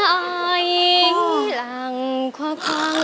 ไหลหลังขวางควาง